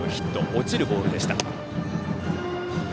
落ちるボールでした。